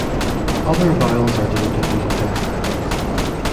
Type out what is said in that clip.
Other vowels are denoted using diacritics.